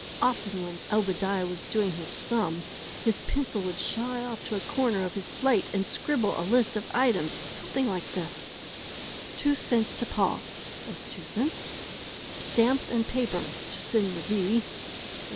Often when Obadiah was doing his "sums" his pencil would shy off to a corner of his slate and scribble a list of items something like this: 2 cents to Pa $.02 Stamps and paper (to send the D)